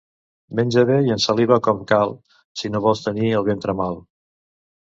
Menja bé i ensaliva com cal si no vols tenir el ventre mal.